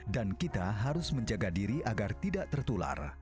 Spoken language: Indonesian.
dan kita harus menjaga diri agar tidak tertular